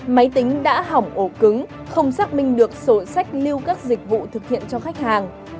máy tính đã hỏng ổ cứng không xác minh được sổ sách lưu các dịch vụ thực hiện cho khách hàng